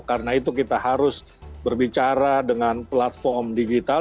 karena itu kita harus berbicara dengan platform digital